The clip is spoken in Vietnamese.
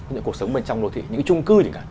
những cuộc sống bên trong đô thị những cái trung cư gì cả